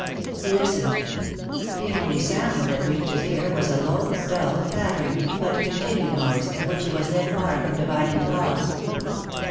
He listened: the only sound that reached his ear was a low, dull, pattering, but continued noise, of which he was then far from divining the cause.